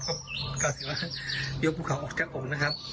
ก็ถือว่ายกพลังของอุปจักรผมนะครับ